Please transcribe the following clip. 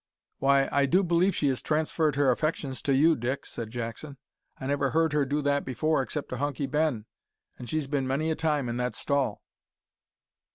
"Why, I do believe she has transferred her affections to you, Dick," said Jackson. "I never heard her do that before except to Hunky Ben, and she's bin many a time in that stall."